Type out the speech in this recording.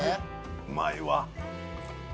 うまいわ。